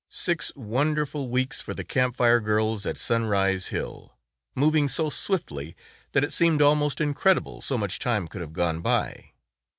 Six wonderful weeks for the Camp Fire girls at Sunrise Hill, moving so swiftly that it seemed almost incredible so much time could have gone by.